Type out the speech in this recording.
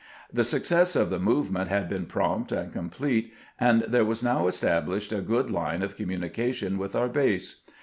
The success of the movement had been prompt and complete, and there was now established a good line of commu nication with our base.